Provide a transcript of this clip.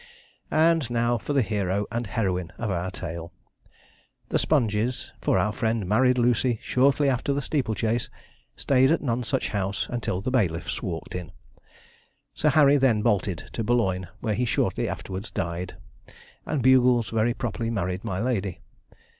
And now for the hero and heroine of our tale. The Sponges for our friend married Lucy shortly after the steeple chase stayed at Nonsuch House until the bailiffs walked in. Sir Harry then bolted to Boulogne, where he shortly afterwards died, and Bugles very properly married my lady.